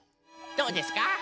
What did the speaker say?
どうですか？